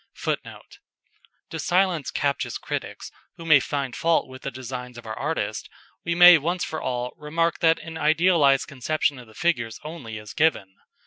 [Footnote: To silence captious critics, who may find fault with the designs of our artist, we may once for all remark that an idealised conception of the figures only is given.